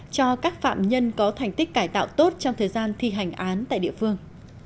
cho các phạm nhân có thành tích cải tạo tốt trong thời gian thi hành án tại địa phương